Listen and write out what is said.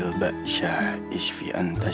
yah ada di sini